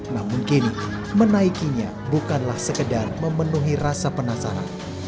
namun kini menaikinya bukanlah sekedar memenuhi rasa penasaran